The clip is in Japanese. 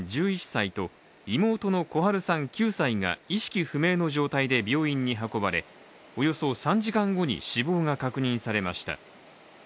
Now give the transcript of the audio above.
１１歳と妹の心陽さん９歳が意識不明の状態で病院に運ばれ、およそ３時間後に死亡が確認されました。